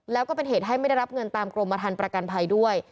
แล้วก็เป็นเหตุให้ไม่ได้รับเงินตามกรมฐานประกันภัยด้วย